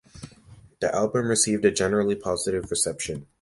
The album received a generally positive reception.